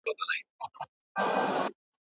کمونيسټان په روسيه کې اوسېدل.